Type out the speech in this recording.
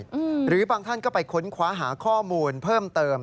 จะนุ้นไปคนคว้าหาข้อมูลเพิ่มเติม